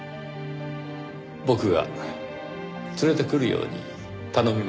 僕が連れてくるように頼みました。